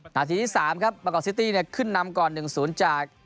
หน้าทีที่สามครับบางกอกซิตี้เนี่ยขึ้นนำก่อนหนึ่งศูนย์จาก